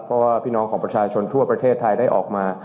เพราะว่าพี่น้องของประชาชนทั่วประเทศไทยได้ออกมา